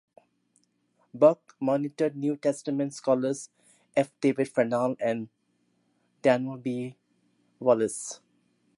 Bock mentored New Testament scholars F. David Farnell and Daniel B. Wallace.